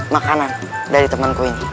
makanan dari temanku ini